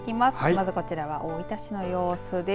まずこちらは大分市の様子です。